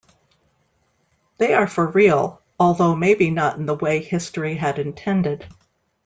They are for real-although maybe not in the way history had intended.